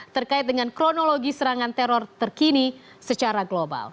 terkait dengan kronologi serangan teror terkini secara global